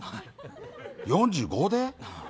４５で？